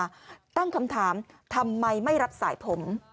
ตั้งคำถามทำไมไม่รับสายผม